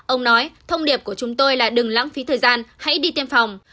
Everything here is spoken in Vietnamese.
ông nói thông điệp của chúng tôi là đừng lãng phí thời gian hãy đi tiêm phòng